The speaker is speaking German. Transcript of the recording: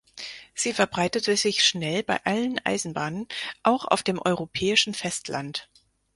Sie verbreitete sich schnell bei allen Eisenbahnen, auch auf dem europäischen Festland.